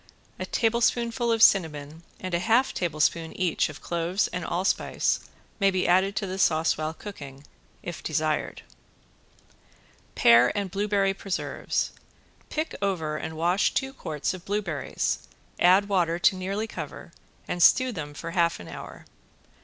A tablespoonful of cinnamon and a half tablespoonful each of cloves and allspice may be added to the sauce while cooking if desired. ~PEAR AND BLUEBERRY PRESERVES~ Pick over and wash two quarts of blueberries, add water to nearly cover and stew them half hour.